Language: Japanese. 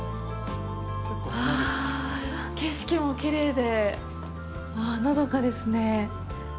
わあ、景色もきれいで、のどかですね。